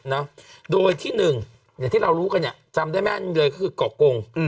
นะโดยที่หนึ่งอย่างที่เรารู้กันเนี่ยจำได้แม่นเลยก็คือเกาะกง